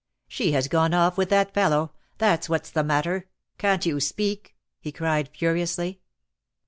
"She has gone off with that fellow? That's what's the matter. Can't you speak?" he cried furiously.